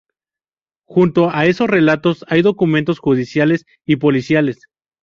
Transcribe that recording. Junto a esos relatos hay documentos judiciales y policiales.